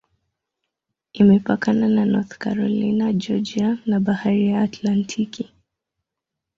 Imepakana na North Carolina, Georgia na Bahari ya Atlantiki.